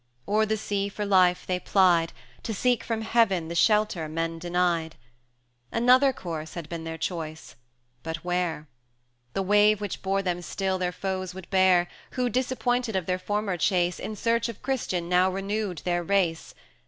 O'er the sea for life they plied, To seek from Heaven the shelter men denied. Another course had been their choice but where? The wave which bore them still their foes would bear, Who, disappointed of their former chase, In search of Christian now renewed their race.